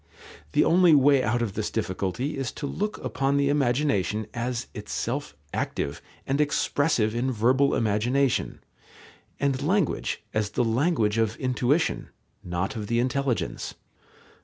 The only way out of this difficulty is to look upon the imagination as itself active and expressive in verbal imagination, and language as the language of intuition, not of the intelligence.